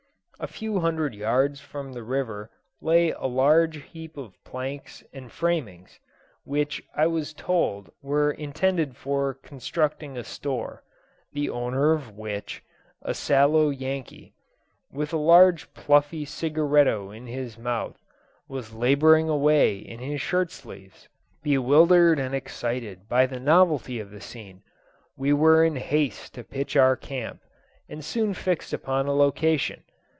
A few hundred yards from the river lay a large heap of planks and framings, which I was told were intended for constructing a store; the owner of which, a sallow Yankee, with a large pluffy cigaretto in his mouth, was labouring away in his shirt sleeves. Bewildered and excited by the novelty of the scene, we were in haste to pitch our camp, and soon fixed upon a location.